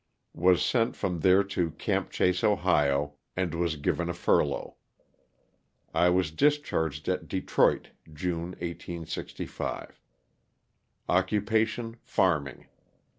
Was sent from there to "Camp Chase," Ohio, and was given a furlough. I was discharged at Detroit, June, 1865. Occupation, farming.